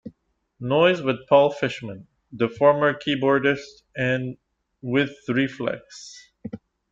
Noise with Paul Fishman, the former keyboardist with Re-Flex.